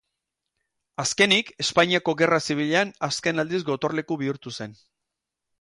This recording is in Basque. Azkenik, Espainiako Gerra Zibilean azken aldiz gotorleku bihurtu zen.